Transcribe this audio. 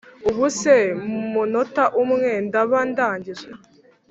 ubuse mumunota umwe ndaba ndangije